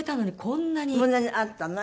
こんなになったの？